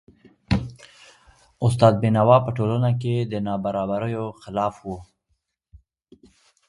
استاد بینوا په ټولنه کي د نابرابریو خلاف و .